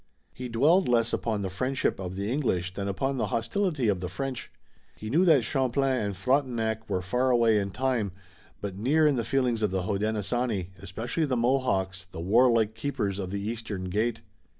He dwelled less upon the friendship of the English than upon the hostility of the French. He knew that Champlain and Frontenac were far away in time, but near in the feelings of the Hodenosaunee, especially the Mohawks, the warlike Keepers of the Eastern Gate.